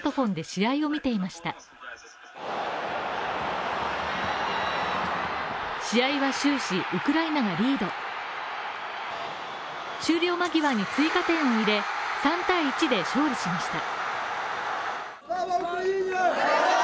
試合は終始、ウクライナがリード終了間際に追加点を入れ、３対１で勝利しました。